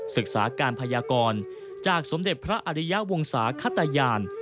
ศึกษาการพยากรจากสมเด็จพระอริยะวงศาขตยาน